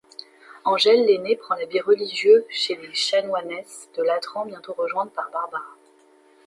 Angèle, l'aînée, prend l'habit religieux chez les chanoinesses de Latran bientôt rejointe par Barbara.